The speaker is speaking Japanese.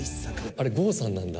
あれ、剛さんなんだ。